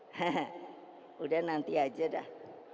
hai hehehe udah nanti aja dah